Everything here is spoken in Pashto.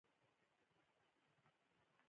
هغوی د ځمکې په حرکت پوهیدل.